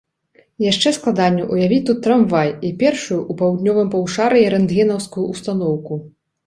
Яшчэ складаней уявіць тут трамвай і першую ў паўднёвым паўшар'і рэнтгенаўскую ўстаноўку.